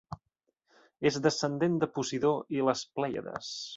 És descendent de Posidó i de les Plèiades.